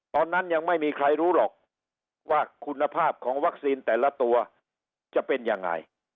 ตอนนั้นยังไม่มีใครรู้หรอกว่าคุณภาพของวัคซีนแต่ละตัวจะเป็นยังไง